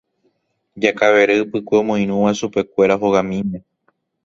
Jakavere Ypykue omoirũva chupekuéra hogamíme.